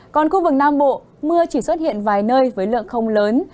còn khu vực nam bộ mưa chỉ xuất hiện vài nơi với lượng không lớn